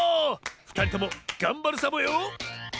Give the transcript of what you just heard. ふたりともがんばるサボよ。